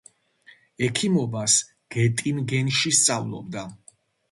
ექიმობას გეტინგენში სწავლობდა.